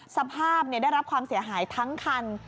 สภาพได้รับความเสียหายทั้งคัน